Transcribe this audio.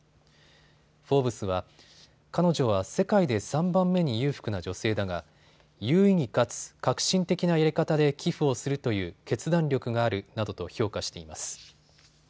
フォーブスは彼女は世界で３番目に裕福な女性だが有意義かつ革新的なやり方で寄付をするという決断力があるなどと評価しています。